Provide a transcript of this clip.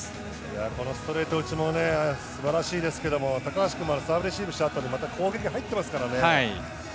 このストレート打ちもね、素晴らしいですけれども高橋君がサーブ、レシーブをした後に攻撃入っていますからね。